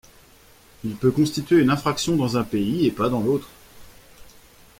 Il peut constituer une infraction dans un pays et pas dans l’autre.